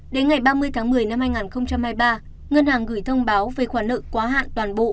đến ngày ba mươi tháng một mươi năm hai nghìn hai mươi ba ngân hàng gửi thông báo về khoản nợ quá hạn toàn bộ